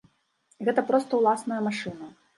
Гэта проста ўласная машына.